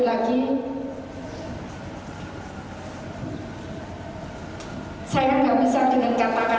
saya tidak bisa dengan kata kata atau apapun saya tidak bisa